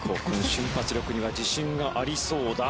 瞬発力には自信がありそうだ。